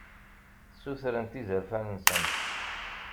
Sutrent izerfan-nsent.